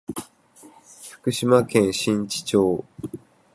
福島県新地町